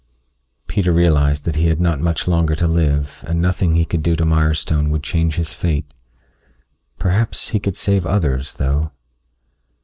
Peter realized that he had not much longer to live and nothing he could do to Mirestone would change his fate. Perhaps he could save others, though.